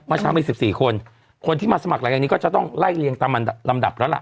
เช้ามี๑๔คนคนที่มาสมัครหลังจากนี้ก็จะต้องไล่เรียงตามลำดับแล้วล่ะ